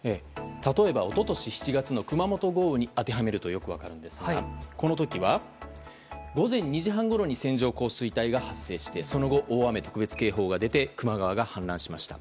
例えば一昨年７月の熊本豪雨に当てはめるとよく分かるんですがこの時は、午前２時半ごろに線状降水帯が発生してその後、大雨特別警報が出て球磨川が氾濫しました。